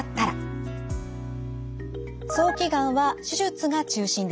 早期がんは手術が中心です。